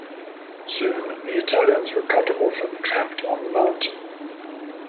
Soon the Italians were cut off and trapped on the mountain.